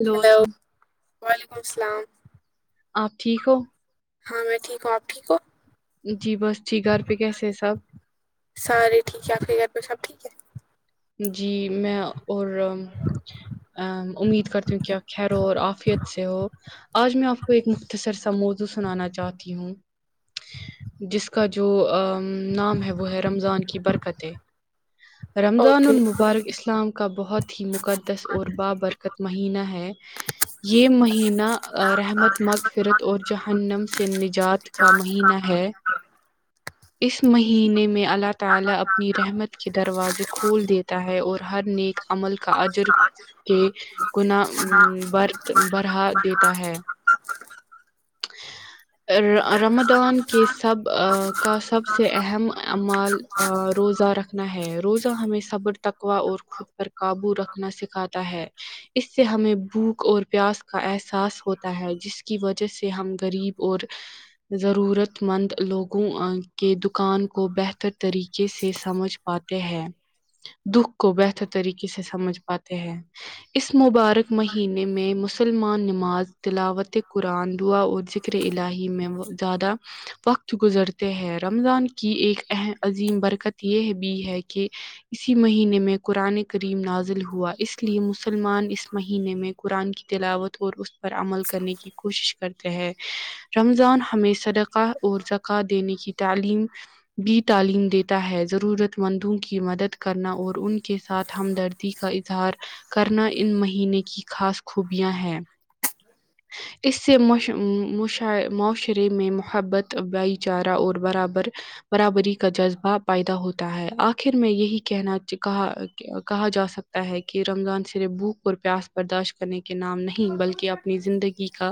hello hello السلام وعلیکم اللام آپ ٹھیک ہو ہاں میں ٹیک ہوںپ ٹھیک ہو جی بس ٹھیک گھر پہ کیسے ہے سب سار ٹھیک ہے آخری گھر پ سب ٹھیک ہے جی میں اور [unintelligible] ا امید کرتی ہوں کہ خیر ہو اور آفیت سے ہو آج میں آپ کو ایک مختصر سا موضوع سنانا چاہتی ہوں جس کا جو ا نام ہے وہ ہے رمضان کی برکتیں [inaudible] رضان اوکے المبارک اسلام کا بہت ہی مقدس اور بابرکت مہینہ ہے یہ مہینہ رحمت مغفرت اور جہنم سے نجات کا مہینہ ہے [unintelligible] اس مہینے میں اللہ تعالی اپنی رحمت کے دروازے کھول دیتا ہے اور ہر نیک عمل کا اجر کے گنر بڑھا دیتا ہے [unintelligible] رمدان کے سب کا سب سے اہم امال روزہ رکھنا ہے روزہ ہمیں صبر تک [unintelligible] ا اور خود پر قابو رکھنا سکھاتا ہے اس سے ہمیں بھوک اور پیاس کا احساس ہوتا ہے جس کی وجہ جس سے ہم غریب اور ضرورت مند لوگوں کے دکان کو بہتر طریقے سے سمجھ ہوتے ہیں [unintelligible] دکھ کو بہتر طریقے سے سمجھ پاتے ہیں اس مبارک مہینے میں مسلمان نماز دلاوت کو قرآن دا اور ذکر الہی میں وہ زیادہ [unintelligible] وقت گزرتے ہیں رمضان کی ایک ام عظیم برکت یہ بھی ہے کہ اسی مہینے میں قرآن کریم نازل ہوا اس لیے مسلمان اس مہینے میں قرآن کی تلاوت اور اس پر عمل کرنے کی کوشش کرتے ہیں رمضان ہ ہمیں سدکہ اور زکاہ دینے کی تعلیم بھی تعلیم دیتا ہے ضرورت مندوں کی مدد کرنا اور ان کے ساتھ ہمدرد کا اظہار کرنا ان مہینے کی خاص خوبیاں ہیں ہ [inaudible] اس سے معاشرے میں محبت بھائی چارہ اور برابر برابری کا جذبہ پیدا ہوتا ہے آخر میں یہی کہنا کہا کہا جا سکتا ہے کہ رمضان صرف بھوک اور پیاس برداشت کرنے کے نام نہیں بلکہ اپنی زندگی کا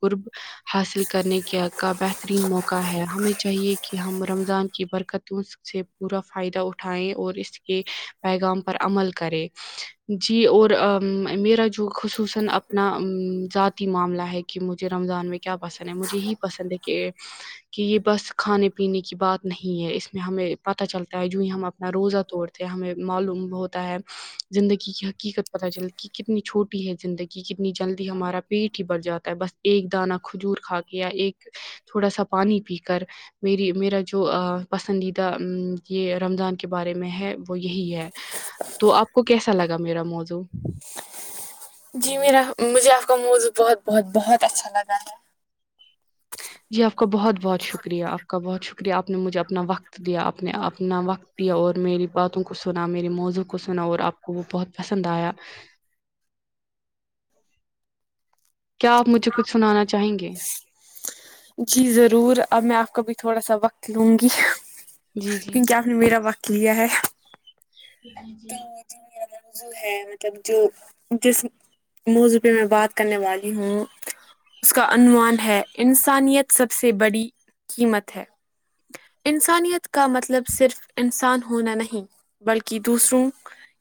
قرب [unintelligible] حاصل کرنے کا کا بہترین موقع ہے ہمیں چاہیے کہ کہ ہم رمضان کی برکتوں سے پورا فائدہ اٹھائے اور اس کے پیغام پر عمل کرے [unintelligible] ذاتی معاملہ ہے کہ مجھے رمضان میں کیا پسند ہے مجھے یہی پسند ہے کہ کہ یہ بس کھانے پینے کی بات نہیں ہے اس میں ہمیں پتہ چلتا ہے جو ہی ہم اپنا روزہ توڑتے ہمیں معلوم ہوتا ہے زندگی کی ح [unintelligible] قت پت چل کتنی چھوٹی ہے زندگی کتنی جلدی ہمارا پیٹ ہی بڑ جاتا ہے بس ایک دانہ کھجور کھا کے یا ایک تھوڑا سا پانی پی کر میری میرا جو پسندیدہ یہ رمضان کے بارے میں ہے وہ یہی ہے تو آپ کو کیسا لگا میرا موضو جی میرا مجھے آپ کا موو بہت بہت بہت اچھا لگا ہے جی آپ کا بہت بہت شکریہ آپ کا بہت شکریہ آپ نے مجھے اپنا وقت وقت دیا اپ نے اپنا وقت پیا اور میری باتوں کو سنا میرے موضوع کو سنا اور آپ کو وہ بہت پسند آیا کیا آپ مجھے کچھ سنانا چاہیں گے جی ضرور اب میں آپ کا بھی تھوڑا سا وقت لوں گی جی جی کیونکہ آپ میرا واقی یہ ہے تو جو میرا موضوع ہے مطلب جو جس موضوع پہ میں بات کرنے والی ہوں اس کا عنوان ہے انسانیت سب سے بڑی قیمت ہے انسانیت کا مطلب صرف انسان ہونا نہیں بلکہ دوسروں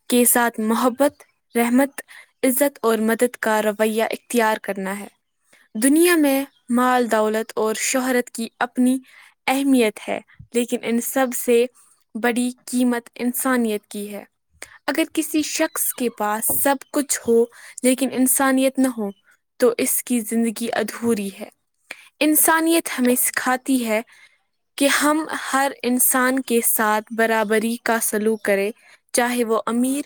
کے ساتھ محبت رحمت عزت اور مدد کا رویہ اختیار کرنا ہے دنیا میں مال دولت اور شہرت کی اپنی اہمیت ہے لیکن ان سب سے بڑی قیمت انسانیت کی ہے اگر کسی شخص کے پاس سب کچھ ہو لیکن انسانیت نہ ہو تو اس کی زندگی ادھوری ہے انسانیت ہمیں سکھاتی ہے کہ ہم ہر انسان کے ساتھ برابری کا سلوک کرے چاہے وہ امیر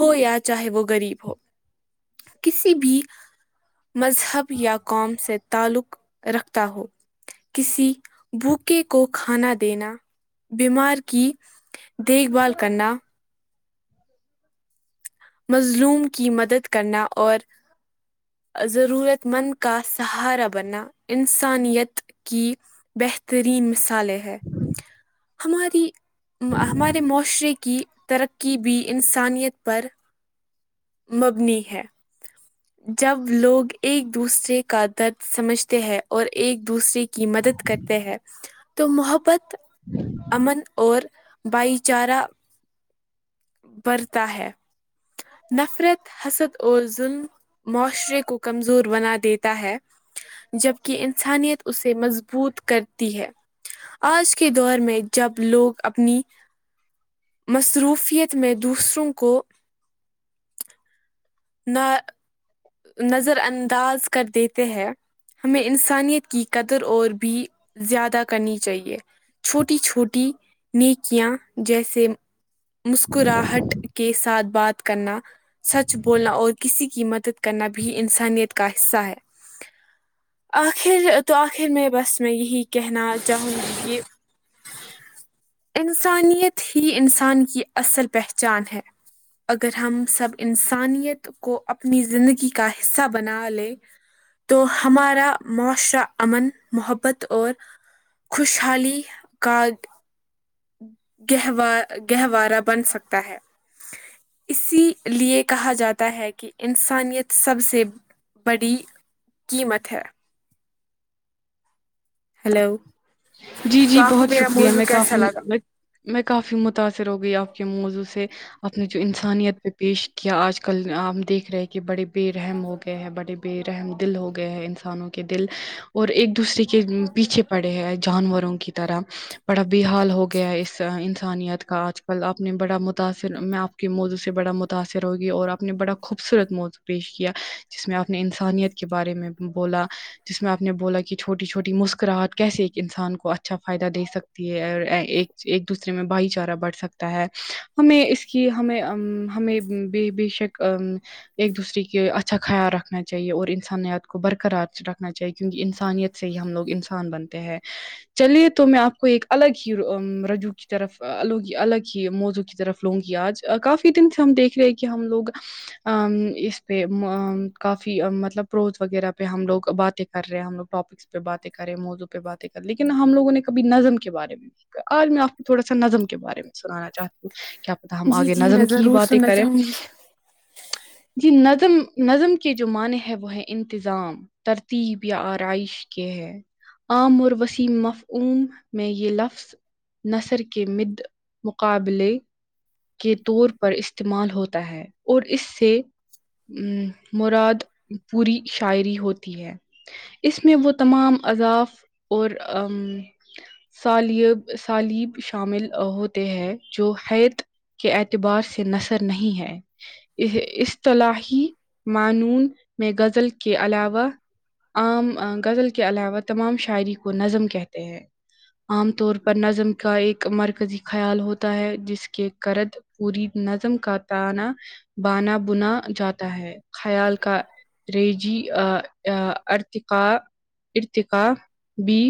ہو یا چاہے وہ غریب ہو کسی بھی مذہب یا قوم سے تعلق رکھتا ہو کسی بھوکے کو کھانا دینا بیمار کی دیکھ بھال کرنا مظلوم کی مدد کرنا اور ضرورت مند کا سہارا بنا انسانیت کی بہترین مثالیں ہے ہماری ہمارے معاشرے کی ترقی بھی انسانیت پر مبنی ہے جب لوگ ایک دوسرے کا درد سمجھتے ہیں اور ایک دوسرے کی کی مدد کرتے ہیں تو محبت امن اور بھائی چارہ بڑتا ہے نفرت حسد اور ظلم معاشرے کو کمزور بنا دیتا ہے جبک انسانیت اسے مضبوط کرتی ہے آج کے دور میں جب لوگ اپنی مصروفیت میں دوسروں کو نہ نظر انداز کر دیتے ہیں ہمیں انسانیت کی قدر اور بھی زیادہ کرنی چاہیے چھوٹی چھوٹی نیکیاں جیسے مسکراہٹ کے ساتھ بات کرنا سچ بولنا اور کسی کی مدد کرنا بھی انسانیت کا حصہ ہے آخر تو آخر میں بس میں یہی کہنا چاہوں گی کہ [unintelligible] انسانیت ہی انسان کی اصل پہچان ہے اگر ہم سب انسانیت کو اپنی زندگی کا حصہ بنا لے تو ہمارا معاشرہ امن محبت اور خوشحالی کاد گہوا گہوارہ بن سکتا ہے اسی لیے کہا جاتا ہے کہ انسانیت سب سے بڑی قیمت ہے ہیلو جی تو جی آپ کو بہت میرا شکریہ موضوع میں کیسا کافی لگا میں کافی متاثر ہو گئی آپ کے موضوع سے اپ نے جو انسانیت پہ پیش کیا آج کل آ دیکھ رہے کہ بڑے بے رحم ہو گئے ہیں بڑے بے رحم دل ہو گئے ہے انسانوں کے دل اور ایک دوسرے کے پیچھے پڑے ہیں جانوروں کی طرح بڑا بےحال ہو گیا ہے اس انسانیت کا آج کل آپ نے بڑا متاثر میں آپ کے موضوع سے بڑا متاثر ہوگی اور آپ نے بڑا خوبصورت موضوع پیش کیا جس میں آپ نے انسانیت کے بارے میں بولا جس میں آپ نے بولا کہ چھوٹی چھوٹی مسکراہٹ کیسے انسان کو اچھا فائدہ دے سکتی ہے اور ایک دوسرے میں بھائی چارہ بڑھ سکتا ہے ہمیں اس کی ہمیں ہمیں بے بے شک ا ایک دوسرے کے اچھا خیال رکھنا چاہیے اور انسانیت کو برقرار رکھنا چاہیے کیونکہ انسانیت سے ہی ہم لوگ انسان بنتے ہیں چلیے تو میں آپ کو ایک الگ ہی رجوع کی طرف الگ الگ ہی موضع کی طرف لوں گی آج کافی دن سے ہم دیکھ رہے ہیں کہ ہم لوگ ا اس پہ کافی مطلب پروز وغیرہ پہ ہم لوگ باتیں کر رہے ہیں ہم لوگ ٹاپک پہ باتیں کریں موضو پہ باتیں کر لیکن ہم لوگوں نے کبھی نظم کے بارے میں آج میں آپ کو تھوڑا سا نظم کے بارے میں سنانا چاہتا کیا پتا ہم جی آگے جی نظم میں کی ہی ضرور باتیں سننا کریں چاہوں گی جی نظم نظم کے جو معنی ہے وہ ہے انتظام ترتیب یا آرائش کے ہے عامر وسیم مفعوم میں یہ لفظ نثر کے مد مقابلے کے طور پر استعمال ہوتا ہے اور اس سے ا مراد پوری شاعری ہوتی ہے ا میں وہ تمام اضاف اور سالب سالب شامل ہوتے ہیں جو ہیت کے اعتبار سے نثر نہیں ہے اصطلاحی معانون میں غزل کے علاوہ عام غزل کے علاوہ تمام شاعری کو نظم کہتے ہیں عام طور پر نظم کا ایک مرکزی خیال ہوتا ہے جس کے کرد پوری نظم کا تانہ بانا بنا جاتا ہے خیال کا رجی ارتکا ارتقا بی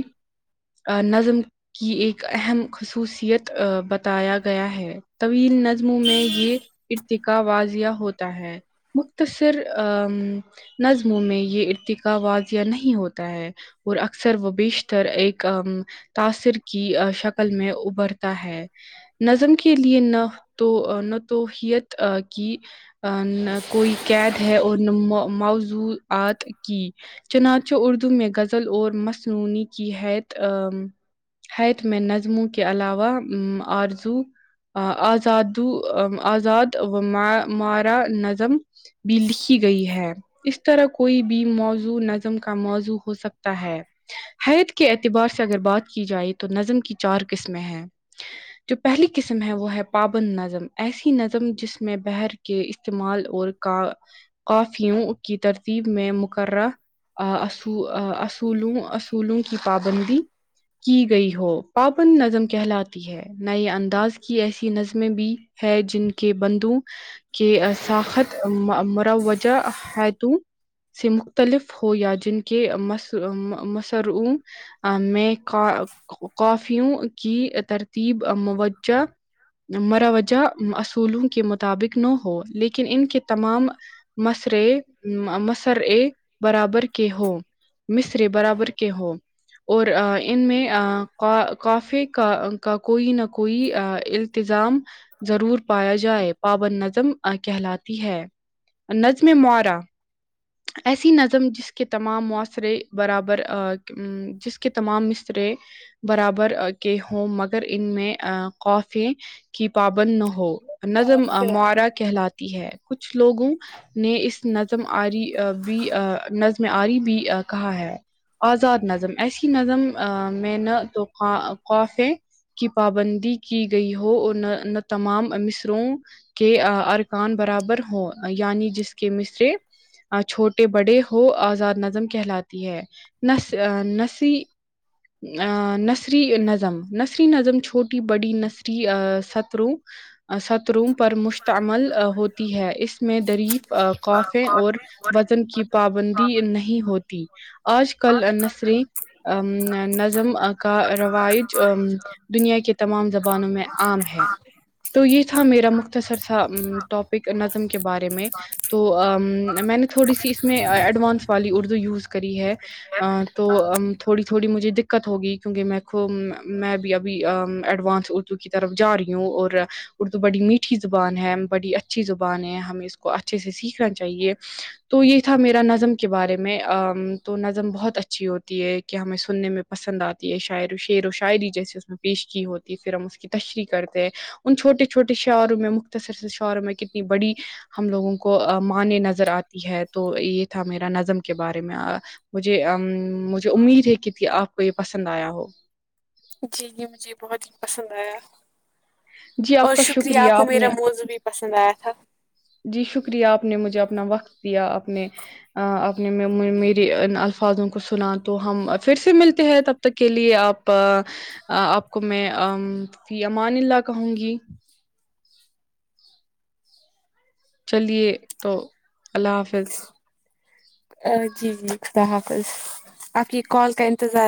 نظم کی ایک اہم خصوصیت بتایا گیا ہے طویل نظموں میں یہ ارتقا واضعح ہوتا ہے مختصر نظموں میں یہ ارتقا واضح نہیں ہوتا ہے اور اکثر و بیشتر ایک تاثر کی شکل میں ابھرتا ہے نظم کے لیے نہ تو نہ توحیت کی نہ کوئی قید ہے اور نہ مضوع آات کی چنانچہ اردو میں غزل اور مصنوع کی ہے ا حت میں نظموں کے علاوہ آرزو آزادو آزاد و مارا نظم بھی لکھی گئی ہے اس طرح کوئی بھی موضوع نظم کا موضوع ہو سکتا ہے حت کے ا اعتبار سے اگر بات کی جائے تو نظم کی چار قسمیں ہیں جو پہلی قسم ہے وہ ہے پابند نظم ایسی نظم جس میں بحر کے استعمال اور کا کافیوں کی ترتیب میں مقرہ- اصو اصولوں اصولوں کی پابندی کی گئی ہو- پابند نظم کہلاتی ہے- نئے انداز کی ایسی نظمیں بھی ہے جن کے بندو کہ ساخت مروجہ ہے تو- سے مختلف ہو یا جن کے مصروں- میں کافیوں کی ترتیب موجہ- مروجہ اصولوں کے مطابق نہ ہو لیکن ان کے تمام- مسرے مسرے برابر کہ ہو- مصری برابر کے ہو- اور ان میں کافی کا- کا کو- کوئی نہ کوئی التظام ضرور پایا جائے پابند نظم کہلاتی ہے نظم مارا- ایسی نظم جس کے تمام معاشرے برابر جس کے تمام مصرے- برابر کے ہوں مگر ان میں کافی- کہ پابند نہ ہو- نظم معرا کہلاتی ہے کچھ لوگوں نے اس نظم آری- بھی نظم آری بھی کہا ہے- آزاد نظم ایسی نظم میں نہ تو خوف ہے- کی پابندی کی گئی ہو اور نہ نہ تمام مصروں- کے ارکان برابر ہوں یعنی جس کے مصرے- چھوٹے بڑے ہو آزاد نظم کہلاتی ہے نس نسی- ا نثری نظم نثری نظم چھوٹی بڑی نثری ستروں- ستروں پر مشتعمل ہوتی ہے اس میں دریف قوفے اور وزن کی پابندی نہیں ہوتی آج- کل نثریں- ا نظم کا روائج ا- دنیا کے تمام زبانوں میں عام ہے- تو یہ تھا میرا مختصر تھا ٹاپک نظم کے بارے میں تو میں نے تھوڑی سی اس میں ایڈوانس والی اردو یوز کری ہے- تو تھوڑی تھوڑی مجھے دقت ہوگی کیونکہ میں میں بھی ابھی ایڈوانس ا- کی طرف جا رہی ہوں اور اردو بڑی میٹھی زبان ہے بڑی اچھی زبان ہے ہمیں اس کو اچھے سے سیکھنا چاہیے- تو یہ تھا میرا نظم کے بارے میں تو نظم بہت اچھی ہوتی ہے کہ ہمیں سننے میں- پسند آتی ہے شاعر و شعر و شاعری جیسے اس میں پیش کی ہوتی ہے پھر ہم اس کی تشریح کرتے ہیں- ان چھوٹے- چھوٹے شاعروں میں مختصر شعروں میں کتنی بڑی ہم لوگوں کو مان نظر آتی ہے تو یہ تھا میرا نظم کے بارے میں- مجھے مجھے امید ہے کہ آپ کو یہ پسند آیا ہو- جی یہ مجھے بہت ہی پسند آیا- جی آپ اور کا شکریہ آپ کو نے میرا موزو بھی پسند آیا تھا- جی شکریہ آپ نے مجھے اپنا وقت دیا آپ نے- اپنے میری الفاظوں کو سنا تو ہم پھر سے ملتے- ہے تب تک کے لیے آپ- آپ کو میں ف امان ال- کہوں گی- چلیے تو اللہ حافظ- جی جیقد حافظ آپ کی کال کا انتظار-